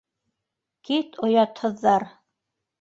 — Кит, оятһыҙҙар!